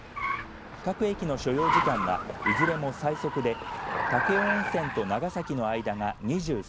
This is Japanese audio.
各駅の所要時間はいずれも最速で武雄温泉と長崎の間が２３分。